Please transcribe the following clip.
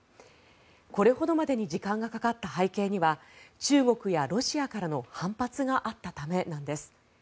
これほどまでに時間がかかった背景には中国やロシアからの反発があったためなんです。